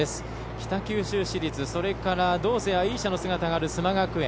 北九州市立、それから道清愛紗の姿がある須磨学園。